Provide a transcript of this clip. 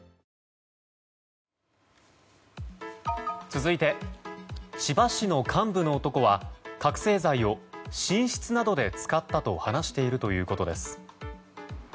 続いて千葉市の幹部の男は覚醒剤を寝室などで使ったと話しているということです。